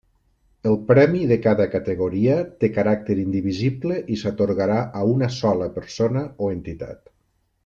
El premi de cada categoria té caràcter indivisible i s'atorgarà a una sola persona o entitat.